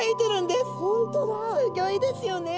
すギョいですよね。